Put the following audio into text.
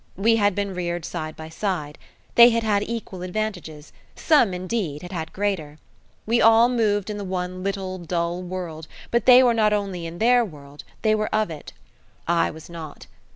We had been reared side by side. They had had equal advantages; some, indeed, had had greater. We all moved in the one little, dull world, but they were not only in their world, they were of it; I was not.